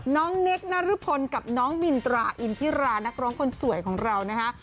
น้องเนคนรพลกับน้องมินตราอินทิรานักร้องคนสวยของเรานะคะ